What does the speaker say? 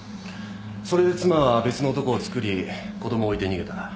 それで妻は別の男をつくり子供を置いて逃げた。